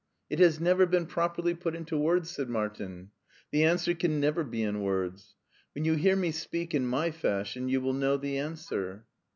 " It has never been properly put into words," said Martin ;" the answer can never be in words. When you hear me speak in my fashion you will know the answer."